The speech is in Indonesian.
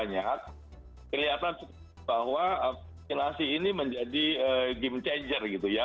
penyelenggaraan ini menjadi game changer gitu ya